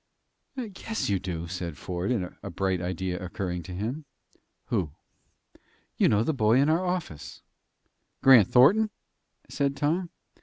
"Yes, you do," said Ford, a bright idea occurring to him. "Who?" "You know the boy in our office." "Grant Thornton?" said Tom.